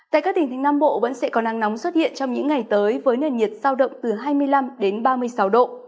tại các tỉnh thành nam bộ vẫn sẽ có nắng nóng xuất hiện trong những ngày tới với nền nhiệt sao động từ hai mươi năm đến ba mươi sáu độ